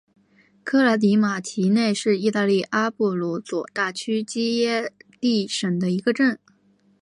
科莱迪马奇内是意大利阿布鲁佐大区基耶蒂省的一个镇。